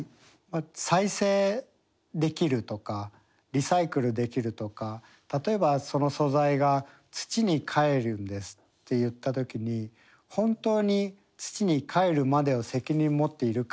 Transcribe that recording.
再生できるとかリサイクルできるとか例えばその素材が土に返るんですっていった時に本当に土に返るまでを責任持っているかみたいな問題もありますよね。